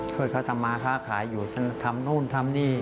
ช่วยเขาทำมาค้าขายอยู่ทำนู่นทำนี่